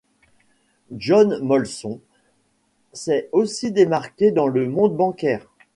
John Molson s'est aussi démarqué dans le monde bancaire.